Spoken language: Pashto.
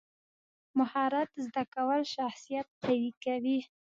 مهارت زده کول شخصیت قوي کوي.